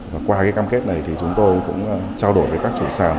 và qua cái cam kết này thì chúng tôi cũng trao đổi với các chủ sản